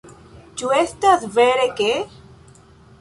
Ĉu estas vere ke...?